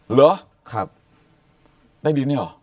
เหรอใต้ดินนี่หรอ